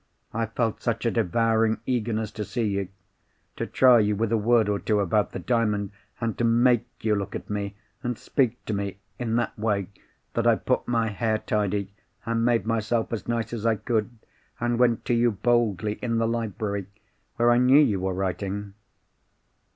I felt such a devouring eagerness to see you—to try you with a word or two about the Diamond, and to make you look at me, and speak to me, in that way—that I put my hair tidy, and made myself as nice as I could, and went to you boldly in the library where I knew you were writing.